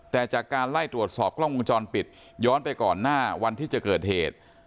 แต่จากการไล่ตรวจสอบกล้องวงจรปิดย้อนไปก่อนหน้าวันที่จะเกิดเหตุ